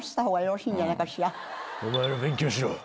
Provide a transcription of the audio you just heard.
お前ら勉強しろ。